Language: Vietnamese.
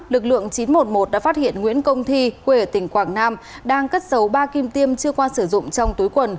lực lượng chín trăm một mươi một đã phát hiện nguyễn công thi quê ở tỉnh quảng nam đang cất dấu ba kim tiêm chưa qua sử dụng trong túi quần